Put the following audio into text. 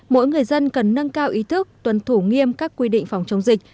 mỗi người dân cần nâng cao ý thức tuân thủ nghiêm các quy định phòng chống dịch